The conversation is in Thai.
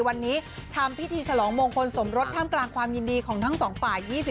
วันนี้ทำพิธีฉลองมงคลสมรสท่ามกลางความยินดีของทั้งสองฝ่าย